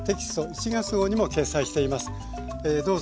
１月号にも掲載しています。